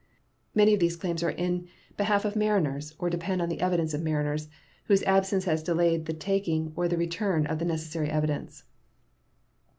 Many of these claims are in behalf of mariners, or depend on the evidence of mariners, whose absence has delayed the taking or the return of the necessary evidence.